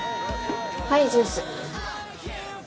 はいジュース。